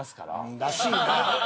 らしいな？